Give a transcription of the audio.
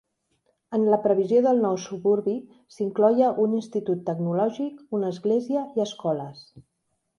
En la previsió del nou suburbi s'incloïa un institut tecnològic, una església i escoles.